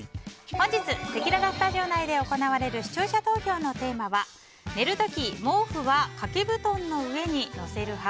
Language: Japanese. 本日せきららスタジオ内で行われる、視聴者投票のテーマは寝るとき、毛布は掛け布団の上にのせる派？